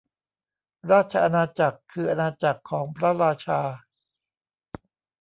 ราชอาณาจักร คืออาณาจักรของพระราชา